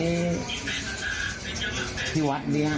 คุณผู้ชมค่ะมาฟังตรงนี้ดีค่ะ